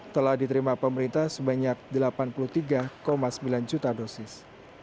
telah diterima pemerintah sebanyak delapan puluh tiga sembilan juta dosis